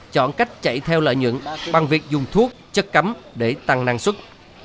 chọn cách chạy theo lợi nhuận bằng việc dùng thuốc chất cấm để tăng năng suất